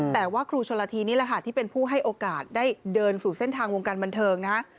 แต่ว่าครูชนละทีนี่แหละค่ะที่เป็นผู้ให้โอกาสได้เดินสู่เส้นทางวงการบันเทิงนะฮะ